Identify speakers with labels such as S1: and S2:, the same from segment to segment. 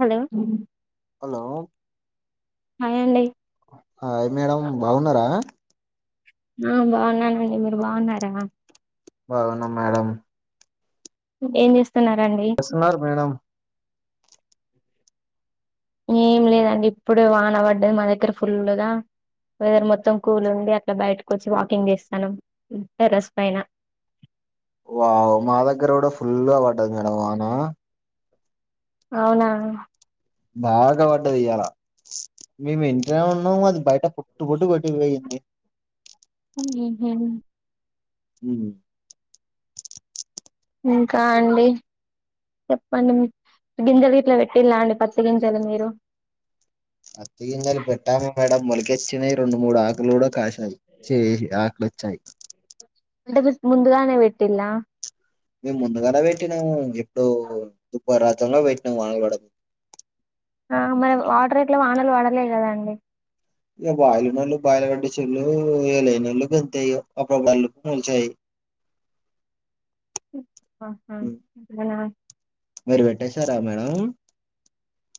S1: Hello
S2: hello
S1: hi అండి
S2: hi madam బాగున్నరా
S1: ఆ బాగున్నానండి మీరు బాగున్నారా
S2: బాగున్నాం మేడం
S1: ఏం చేస్తున్నారండి
S2: చేస్తున్నారు మేడం
S1: ఏం లేదండి ఇప్పుడు వాన పడ్డది మా దగ్గర ఫుల్లుగా వెదర్ మొత్తం కూల్ ఉంది అట్లా బయటకు వచ్చి వాకింగ్ చేస్తానం టెరస్ పైన
S2: వావ్ మా దగ్గర కూడా ఫుల్లుగ పడ్డది మేడం వానా
S1: అవునా
S2: బాగా పడ్డది ఇయాల మేము ఇంట్లనే ఉన్నము అది బయట పొట్టు పొట్టు కొట్టింది పోయింది
S1: [unintelligible]
S2: ఉహ్
S1: ఇంకా అండి చెప్పండి గింజలు గిట్ల పెట్టిలా అండి పత్తి గింజలు మీరు
S2: పత్తి గింజలు పెట్టాము మేడం మొలకోచ్చినయి రెండు మూడు ఆకులు కూడా కాసినయి చే ఆకులొచ్చాయి
S1: అంటే మీకు ముందుగానే పెట్టిల్లా
S2: మేము ముందుగానే పెట్టినాము ఎప్పుడు దుబ రాతంలో పెట్టినాము వానలు పడ
S1: ఆ మన వాటర్ ఎట్లా వానలు పడలే కదా అండి
S2: ఇంగా బాయిలునోళ్లు బయిలు కట్టిచిల్లు ఇగ లేనోళ్ళు గంతే ఇగ అప్పుడు ఒక డల్లు మోలిచాయి
S1: అహ
S2: ఉమ్,
S1: అట్లానా
S2: మీరు పెట్టేశారా మేడం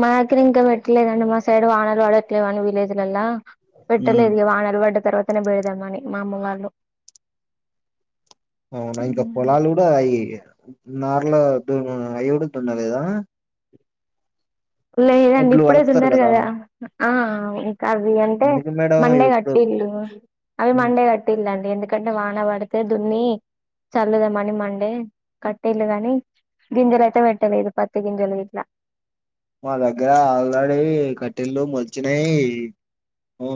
S1: మా దగ్గర ఇంకా పెట్టలేదండి మా సైడు వానలు పడ ట్లేవని విలేజ్లలా
S2: ఉమ్.
S1: పెట్టలేదు ఇగ వానలు పడ్డ తర్వాతనే బెడదామని మా అమ్మ వాళ్ళు
S2: అవునా ఇంకా పొలాలు కూడా అయి నార్లదు అవి కూడా దున్నలేదా
S1: లేదండి
S2: ఒడ్లు
S1: ఇప్పుడే
S2: కలుపుతారు
S1: దున్నరు కదా ఆ అవి అంటే
S2: ఎందుకు మేడం
S1: మండే
S2: ఇప్పుడు
S1: కట్టిల్లు అవి
S2: ఉమ్,
S1: మండే క టిల్లండి ఎందుకంటే వాన పడితే దున్ని చల్లుదమని మండే కట్టిల్లు కాని గింజలయితే పెట్టలేదు పత్తి గింజలు గిట్లా
S2: మా దగ్గర ఆల్రెడీ కట్టెలు మొలిచినయి అ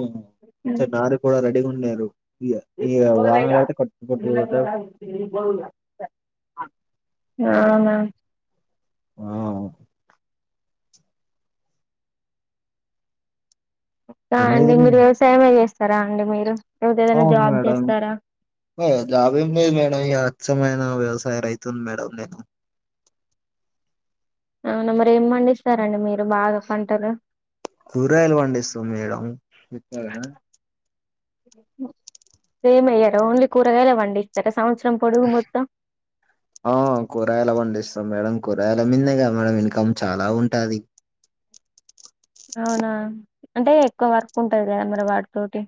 S2: చ నారు కూడా రెడీగా ఉంన్నారు ఇ ఇగా వాన వాడితే కట్ పోట్
S1: అవునా
S2: ఆ
S1: కా అండి
S2: ఉరుముతుంది
S1: మీరు వ్యవసాయమే చేస్తారా అండి మీరు లేకపోతే ఏదైనా
S2: అవును
S1: జాబ్
S2: మేడం
S1: చేస్తారా
S2: ఆ జాబ్ ఏం లేదు మేడం ఇగ అచ్చమైన వ్యవసాయ రైతుని మేడం నేను
S1: అవునా మరి ఏం పండిస్తారండి మీరు బాగా పంటలు
S2: కూరగాయలు పండిస్తాం మేడం
S1: ఉ సెమేయ్యర ఓన్లీ కూరగాయలే పండిస్తర సంవత్సరం పొడుగు మొత్తం
S2: ఆ కూరగాయలు పండిస్తాం మేడం కూరగాయల మిందే గా మేడం ఇన్కమ్ చాలా ఉంటది
S1: అవునా అంటే ఎక్కువ వర్క్ ఉంటది కదా మరి వాటితోటి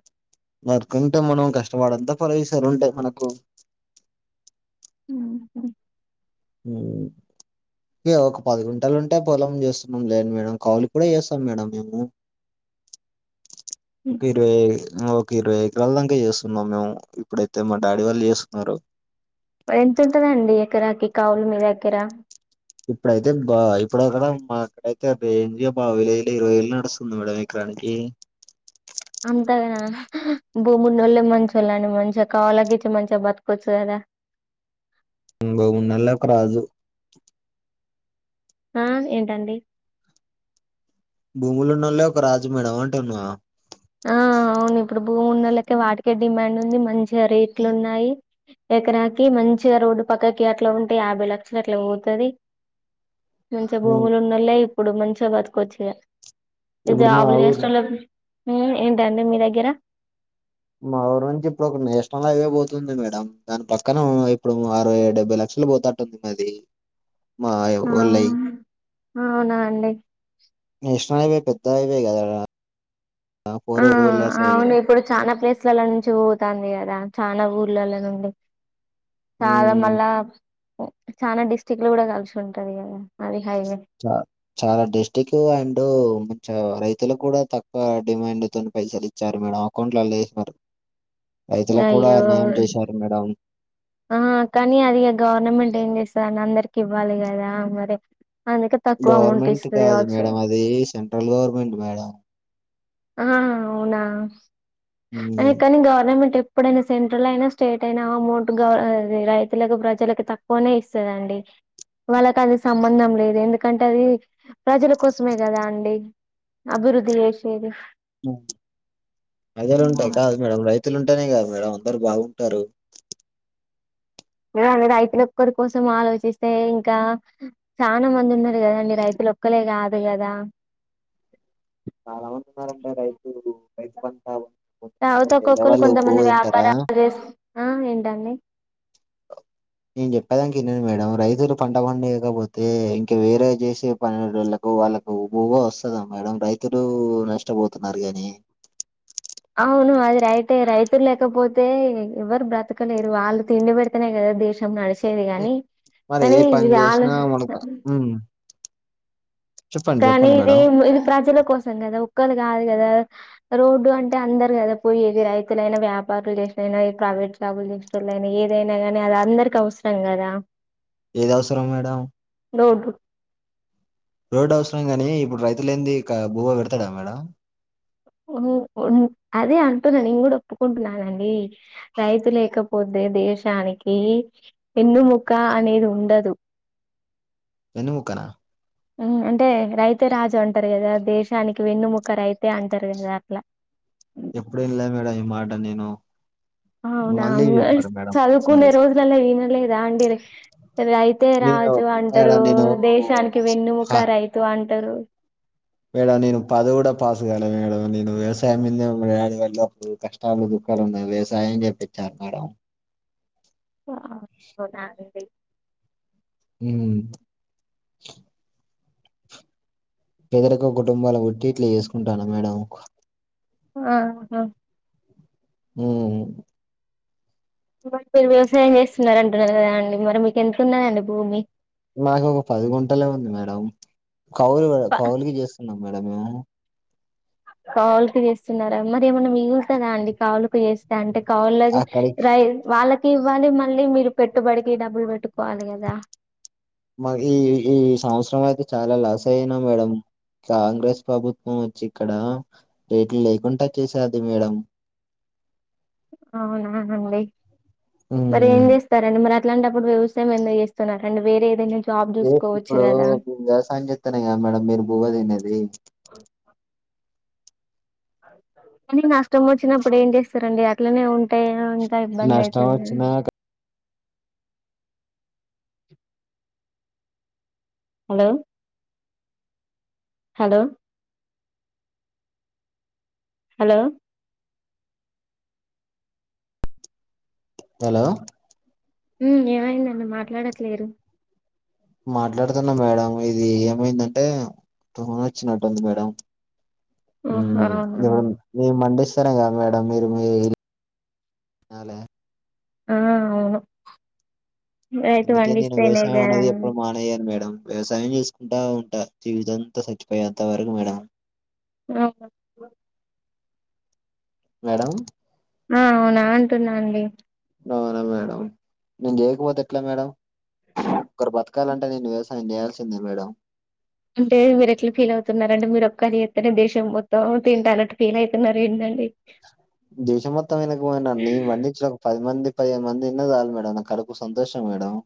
S2: వర్క్కుంటే మనం కష్టపడద్దా పరేషాలు ఉంటయి మనకు
S1: ఉహు
S2: ఉ ఇగ ఒక పది గుంటలు ఉంటే పొలం చేస్తున్నాం లేండి మేడం కౌలుకు కూడా చేస్తాం మేడం మేము ఓకే ఇరవై ఒక ఇరవై ఎకరాల దాంక చేస్తున్నాం మేము ఇప్పుడైతే మా డాడీ వాళ్ళు చేస్తున్నారు
S1: ఎంతుంటదండి ఎకరాకి కావులు మీ దగ్గర
S2: ఇప్పుడైతే బా ఇప్పుడుక్కడ మాకైతే రేంజ్ గా మా విలేజ్లో ఇరవై వేలు నడుస్తుంది మేడం ఎకరానికి
S1: అంతాగానా భూమున్నోళ్ళే మంచో ళ్ళండి మంచిగా కౌలకి ఇచ్చి మంచిగా బతకొచ్చు కదా
S2: ఉ భూమునల్లే ఒక రాజు
S1: ఆ ఏంటండి
S2: భూములు ఉన్నోళ్ళే ఒక రాజు మేడం అంటున్నా
S1: ఆ అవును ఇప్పుడు భూమి ఉన్నోళ్ళకే వాటికే డిమాండ్ ఉంది మంచిగా రేట్లు ఉన్నాయి ఎకరకి మంచిగా రోడ్డు పక్కకి అట్లా ఉంటే యాభై లక్షలు అట్లా పోతది మంచిగా
S2: ఉమ్,
S1: భూములు ఉన్నోలే ఇప్పుడు మంచిగా బతుకొచ్చు ఇగా ఈ
S2: ఇప్పుడు మా
S1: జాబులు
S2: ఊరు
S1: చేసెటోలాక్ ఉ ఏంటండి మీ దగిర
S2: మా ఊరు నుంచి ఇప్పుడు ఒక నేషనల్ అయివే పోతుంది మేడం దాని పక్కన ఉ ఇప్పుడు అరవై డెబ్బై లక్షలు పోత టున్నది
S1: ఆ అవునా అండి
S2: నేషనల్ హైవే పెద్ద హైవే కదా మేడం ఆ ఫోరు విల్లార్స్ హైవే
S1: అవును ఇప్పుడు చానా ప్లేస్లల నుంచి పోతాంది కదా చానా ఊర్లల నుండి చాలా
S2: ఉమ్
S1: మళ్ళా చానా డిస్టిక్టులు కూడా కలిసి ఉంటది కదా అది హైవే
S2: చ చాలా డిస్టిక్ అండ్ మంచిగ రైతులకు కూడా తక్కువ డిమాండ్ తోని పైసలు ఇ ఇచ్చారు మేడం అకౌంట్లల్ల ఏసినారు రైతులకు కూడా
S1: అయ్యో
S2: అన్యాయం చేశారు మేడం
S1: ఆ కానీ అది ఇగ గవర్నమెంట్ ఏం చేస్తది అన్న అందరికి ఇవ్వాలి కదా మరి అందుకే తక్కువ అమౌంట్
S2: గవర్నమెంట్
S1: ఇస్తది
S2: కాదు
S1: కావచ్చు
S2: మేడం అది సెంట్రల్ గవర్నమెంట్ మేడం
S1: ఆ అవునా అని
S2: ఉమ్
S1: కానీ గవర్నమెంట్ ఎప్ ప్పుడైనా సెంట్రల్ అయినా స్టేట్ అయినా అమౌంట్ గవ్ అది రైతులకు ప్రజలకు తక్కువనే ఇస్తది అండి వాళ్ళకది అది సంబంధం లేదు ఎందుకంటే అది ప్రజల కోసమే కదా అండి అభివృద్ధి చేశేది
S2: ఉ ప్రజలు ఉంటె కాదు మేడం రైతులు ఉంటేనే కద మేడం అందరు బాగుంటారు
S1: గాదె రైతులు ఒక్కరి కోసం ఆలోచిస్తే ఇంకా చానా మంది ఉన్నరు కదండి రైతులు ఒక్కలే కాదు కదా
S2: చాలా మంది ఉన్నారండి రైతు రైతు పంటలు
S1: తవతక్కొక్కల్లు కొంతమంది వ్యాపారాలు చేసున్నా ఏంటండి
S2: నేను చెప్పేదానికి వినండి మేడం రైతులు పంట పండియకపోతే ఇంకా వేరే చేసే పనుల వాళ్ళకు కు వాళ్ళకు బువ్వ వస్తదా మేడం రైతులు నష్టపోతున్నారు గాని
S1: అవును అది రైటె రైతులు లేకపోతే ఎవరు బ్రతకలేరు వాళ్ళు తిండి పెడి తెనే కదా దేశం నడిచేది గాని,
S2: మరి ఏ
S1: కని
S2: పని
S1: వాళ్ళ
S2: చేసినా మనకు ఉమ్ చెప్పండి
S1: కానీ
S2: చెప్పండి
S1: ఇది
S2: మేడం
S1: ఇది ప్రజల కోసం కదా ఒక్కలు కాదు కదా రోడ్డు అంటే అందరు కదా పోయేది రైతులైనా వ్యాపారులు చేసినయినా ప్రైవేట్ జాబులు చేసెటోళ్ళు అయినా ఏదైనా గానీ అది అందరికి అవసరం కదా
S2: ఏది అవసరం మేడం
S1: రోడ్డు
S2: రోడ్డు అవసరం గాని ఇప్పుడు రైతు లేంది బువ్వ పెడతడా మేడం
S1: అదే అంటున్న నేను కూడా ఒప్పుకుంటున్నానండి రైతు లేకపోతే దేశానికి ఎన్నుముక్క అనేది ఉండదు
S2: ఎన్నుముక్కన
S1: అంటే రైతే రాజు అంటారు కదా దేశానికి వెన్నుముక్క రైతే అంటారు కదా అట్లా
S2: ఎప్పుడు ఇంలే మేడం ఈ మాట నేను
S1: అవునా
S2: మళ్ళీ చెప్పారు మేడం
S1: చదువుకునే
S2: ఒకసారి
S1: రోజులల్ల వినలేదా అండి రైతే
S2: నేను
S1: రాజు అంటారు
S2: మేడం
S1: దేశానికి
S2: నేను
S1: వెన్నుముక రైతు అంటారు
S2: మేడం నేను పది కూడా పాస్ గాలే మేడం నేను వ్యవసాయం మీదని మ డాడీ వల్లపుడు కష్ట తనుగులు దుకాలు ఉన్నాయ్ వ్యవసాయం చేప్పించారు మేడం
S1: [unintelligible]
S2: ఉమ్ పేదరిక కుటుంబాల పుట్టి ఇట్లా చేసుకుంటాన మేడం
S1: ఆహ్ హా
S2: ఉమ్
S1: నువ్వంటే వ్యవసాయం చేస్తున్నార అంటున్నారు గదా అండి మరి మీకు ఎంతున్నాదండి భూమి
S2: నాకు ఒక పది గుంటలే ఉంది మేడం కౌలు మేడం
S1: ప-
S2: కౌవులుకి జేస్తున్నా మేడం నేను
S1: కౌలు కి చేస్తున్నారా మరి ఏమన్నా మిగులుతదా అండి కౌలు లకి చేస్ త అంటే కౌల్ లకు
S2: అక్కడికి
S1: రై వాళ్ళకి ఇవ్వాలి మళ్ళీ మీరు పెట్టుబడికి డబ్బులు పెట్టుకోవాలే గదా
S2: మక్ ఈ ఈ సంవత్సరం అయితే చాలా లాస్ అయినాం మేడం కాంగ్రెస్ ప్రభుత్వం వచ్చి ఇక్కడ రేట్లు లేకుంటా చేసాది మేడం
S1: అవునా అండి మరి ఏం
S2: ఉమ్,
S1: చేస్తారండి మరి అ అట్లాంటప్పుడు వ్యవసాయం ఎందుకు చేస్తున్నారండి వేరే ఏదైనా జాబ్ చూసుకోవచ్చు
S2: ఇప్పుడు
S1: కదా
S2: వ్యవసాయం జేతేనే గదా మేడం మీరు బు వ్వ తినేది
S1: కానీ నష్టం వచ్చినప్పుడు ఏం జేస్తారండి అట్లనే ఉంటే ఇంక ఇబ్బంది
S2: నష్టం
S1: ఐతది గద
S2: వచ్చినా
S1: హలో హలో హలో
S2: హలో
S1: ఉమ్ ఏమైదండి మాట్లాడట్లేరు
S2: మాట్లాడుతున్నా మేడం ఇది ఏమైందంటే టోన్ వచ్చినట్టుంది మేడం
S1: ఓహో
S2: ఉమ్
S1: అవునా
S2: ఇపుడు మేం పండిస్తేనే గదా మేడం మీరు మీ ఇ
S1: ఆ అవును రైతు
S2: అందుకే నేను
S1: పండిస్తేనే
S2: వ్యవసయం
S1: కదా
S2: అనేది ఎప్పుడు మానేయను మేడం వ్యవసాయం చేసుకుంటా ఉంటా జీవితంతా సచ్చిపోయే అంత వరకు మేడం
S1: అవునా
S2: మేడం
S1: అ అవునా అంటున్నా అండి
S2: అవునా మేడం నేను జేయకపోతే ఎట్లా మేడం ఒకరు బతకాలంటే నేను వ్యవసాయం జేయాల్సిందే మేడం
S1: అంటే మీరేట్లా ఫీల్ అవుతున్నారండి మీరు ఒకరు జెతేనే దేశం మొత్తం తింట అన్నట్టు ఫీల్ అయితున్నారు ఏందండి
S2: దేశం మొత్తం వెనక పోయినా నేన్ పండించడం పది మంది పదిహేను మంది తిన్న జల్ మేడం నాకు కడుపు సంతోషం మేడం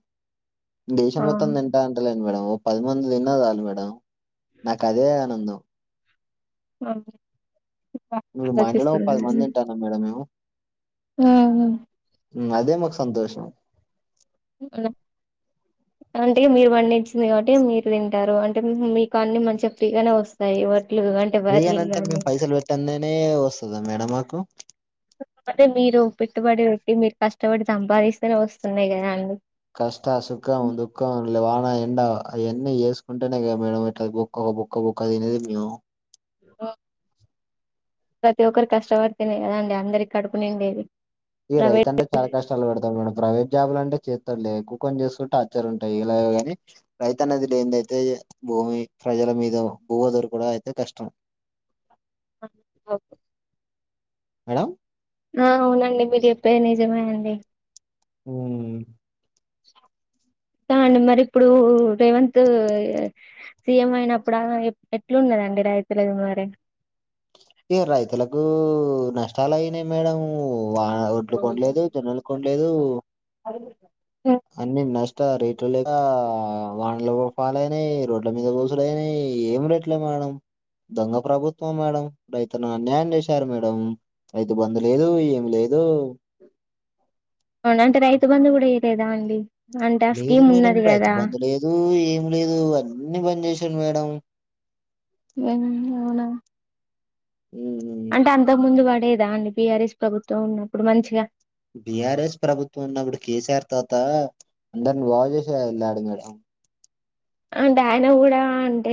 S2: దేశం
S1: ఆ
S2: మొత్తం తింటా అంటలేను మేడం ఓ పది మంది తిన్న జాలు మేడం నాకు అదే ఆనందం
S1: ఆ ఇంక
S2: ఇపుడు మా ఇంట్లనే ఒక పది మంది తింటనం మేడం మేము
S1: ఉహు
S2: ఉమ్ అదే మాకు సంతోషం
S1: [unintelligible] అంటే మీరు పండిచ్చింది గబట్టి మీరు తింటారు అంటే మీ కాన్ని మంచిగా ఫ్రీగానే వస్ తై వడ్లు అంటే వారిగింజలు
S2: ట్టన్ననే వస్తదా మేడం మాకు
S1: అంటే మీరు పెట్టుబడి పెట్టి మీరు కష్టపడి సంపాదిస్తేనే వస్తుంది గదా అండి
S2: కష్ట సుఖం దుఃఖం లే వాన ఎండ అయన్నీ చేసుకుంటేనే కదా మేడం ఇట్లా గో ఒక బుక్క బుక్క తినేది మేము
S1: ఓ ప్రతి ఒక్కరు కష్టపడితేనే కదాండి అందరి కడుపు నిండేది
S2: ఇగ
S1: ప్రైవేట్
S2: రైతంటే చాలా కష్టాలు పడతారు మేడం ప్రైవేట్ జాబ్లు అంటే చేస్తరులేక్కువ కొని చేసుకుంటే హ టాచ్చర్ ఉంటయి ఇలాగె గాని రైతన్నది లేనిదయితే భూమి ప్రజల మీద భువ దొరుకుడు అయితే కష్టం
S1: ఆ
S2: మేడం
S1: ఆ అవునండి మీరు జెప్పేది నిజమే అండి
S2: ఉ
S1: దాని మరి ఇప్పుడు రేవంత్ సీఎం అయినప్పుడు ఆ ఎట్లున్నదండి రైతులకు మరి
S2: ఇగ రైతులకు నష్టాలయినయి మేడం వా ఒడ్లు కొనలేదు జొన్నలు కొంలేదు
S1: అవును
S2: అన్ని నష్ట రేట్ లేక వానలు పాలైనయి రోడ్ల మీద పోసులయినయి ఏం రెట్లవి మేడం దొంగ ప్రభుత్వం మేడం రైతును అన్యాయం చేశారు మేడం రైతు బంధు లేదు ఏం లేదు
S1: అవును అంటే రైతు బంధు కూడా ఎయలేదండి అంటే ఆ స్కీమ్ ఉన్నది కదా
S2: తు ఏం లేదు అన్నీ బంజేసిండు మేడం
S1: లేమ్ అవునా
S2: ఉమ్
S1: అంటే అంతకు ముందు పడేదాండి బీఆర్ఎస్ ప్రభుత్వం ఉన్నప్పుడు మంచిగా
S2: బిఆర్ఎస్ ప్రభుత్వం ఉన్నప్పుడు కేసీఆర్ తాత అందరిని బాగా చేసి ఎళ్ళాడు మేడం
S1: అంటే ఆయన కూడా అంటే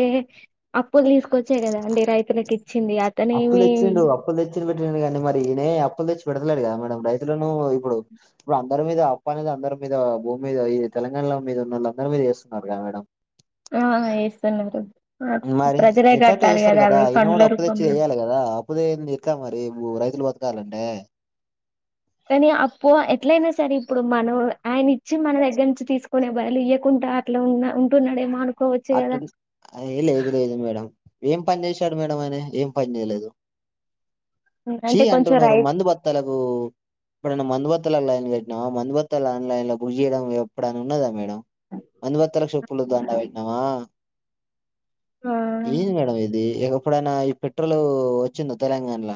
S1: అప్పులు తీసుకొ చ్చే కదా అండి రైతుకి ఇచ్చింది అతనే
S2: అప్పులు
S1: ఏమి
S2: తెచ్చిండు అప్పులు తెచ్చి పెట్టిండు కానీ మరి ఈనే అప్పులు తెచ్చి పెడతలేడు కదా మేడం రైతులను ఇప్పుడు ఇప్పుడ అందరి మీద అప్పు అనేది అందరి మీద భూమి మీద ఇది తెలంగాణ మీద ఉన్నోళ్ళ అందరి మీద చేస్తున్నరుగ మేడం
S1: ఆ ఏస్తున్నరు
S2: మరి
S1: ప్రజలే
S2: ఎట్లాట్ట
S1: కట్టాలి
S2: చేస్తారు
S1: కదా అవి
S2: ఈయన కూడా
S1: పండ్ల
S2: అప్పు తెచ్చి
S1: రూపంలో
S2: చేయాలి కదా ఇప్పుదెంది ఇక మరి రైతులు బతకాలంటే
S1: కానీ అప్పు ఎట్లయినా సరే ఇప్పుడు మనం ఆయన ఇచ్చి మన దగ్గర నుంచి తీసుకునే బదులు ఇయకుంట అట్ల ఉన్న ఉంటున్నడేమో అన్
S2: అటు ఏ లేదు లేదు మేడం ఏం పని చేసాడు మేడం అని ఏం పని చేయలేదు చీ
S1: అంటే కొంచెం
S2: అంటున్నరు
S1: రైట్
S2: మందు బత్తలకు ఎప్పుడన్న మందుబత్తల లైన్ కట్టినమా మందుబత్త ఆన్లైన్ల బుక్ చేయడం ఎప్పుడైన ఉన్నదా మేడం
S1: [inaudible]
S2: మందు బత్తలకు చెప్పులు దండ పెట్టినమా
S1: ఆ
S2: ఏంది మేడం ఇది ఎప్పుడైనా ఈ పెట్రోల్ వచ్చింద తెలంగాణల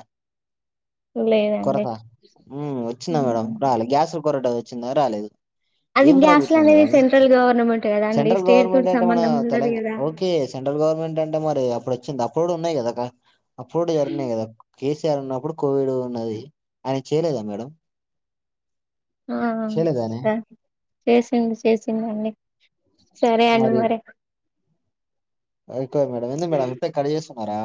S1: లేదండి
S2: కొరత ఉమ్ వచ్చిందా మేడం రాలేదు గ్యాస్ల కొరట వచ్చిందా రాలేదు
S1: అది
S2: ఏం
S1: గ్యాస్లు
S2: ప్రభుత్వం
S1: అనేది
S2: మేడం
S1: సెంట్రల్ గవర్నమెంట్ కదా అండి
S2: సెంట్రల్
S1: స్టేట్ తోటి
S2: గవర్నమెంటె మన
S1: సంబంధం ఉండదు
S2: తెలంగ
S1: కదా
S2: ఓకే సెంట్రల్ గవర్నమెంట్ అంటే మరి అప్పుడు వచ్చింది అప్పుడు ఉన్నయి కదా అప్పుడు జరిగినయి కద కేసీఆర్ ఉన్నప్పుడు కోవిడ్ ఉన్నది ఆయన చేయలేదా మేడం
S1: ఆ
S2: చేయలేదానే
S1: సరె చేసిండు చేసిండండి సరే అండి మరి
S2: అది కాదు మేడం ఎంది మేడం అంత కట్ చేస్తున్నరా